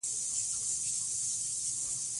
انګور د افغان ماشومانو د زده کړې یوه موضوع ده.